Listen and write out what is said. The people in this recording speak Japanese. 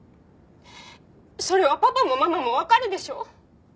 それはパパもママもわかるでしょ？